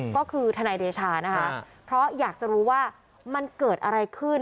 ก็คือทนายเดชานะคะเพราะอยากจะรู้ว่ามันเกิดอะไรขึ้น